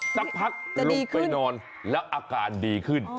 ลงไปนอนแล้วอาการดีขึ้น